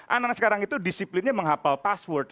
anak anak sekarang itu disiplinnya menghapal password